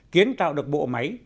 kiến tạo được bộ máy